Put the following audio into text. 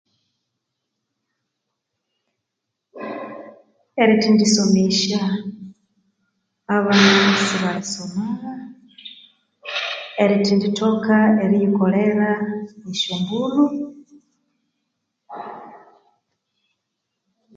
Erithindisomesya abana sibali somagha ah erithindithoka eriyikolera esyo mbulhu